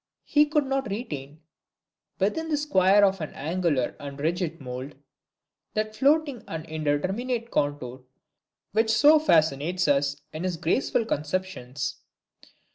He could not retain, within the square of an angular and rigid mould, that floating and indeterminate contour which so fascinates us in his graceful conceptions.